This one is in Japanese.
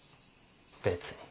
別に。